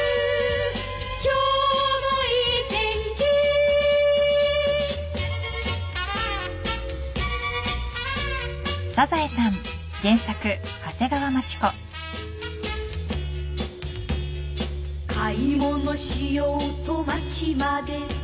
「今日もいい天気」「買い物しようと街まで」